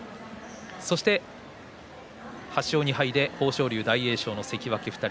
そして８勝２敗で豊昇龍、大栄翔の関脇２人